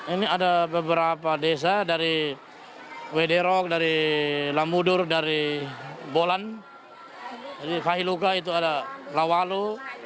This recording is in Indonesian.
ini ada beberapa desa dari wederok dari lamudur dari bolan dari fahiluka itu ada lawalu